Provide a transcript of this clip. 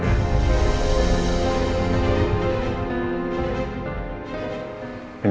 biar aku dulu yang cari tau ya